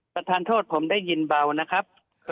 ประธานโทษผมได้ยินเบานะครับ